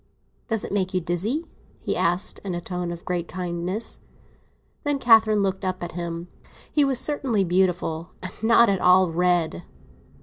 "Does it make you dizzy?" he asked, in a tone of great kindness. Then Catherine looked up at him; he was certainly beautiful, and not at all red.